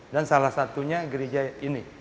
dan salah satunya gereja ini